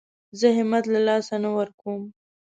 زه همت له لاسه نه ورکوم.